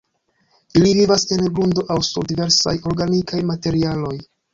Ili vivas en grundo aŭ sur diversaj organikaj materialoj.